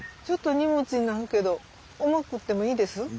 ちょっと荷物になるけど重くってもいいです？